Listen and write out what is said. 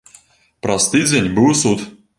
Праз тыдзень быў суд.